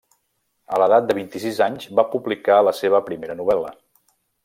A l'edat de vint-i-sis anys va publicar la seva primera novel·la.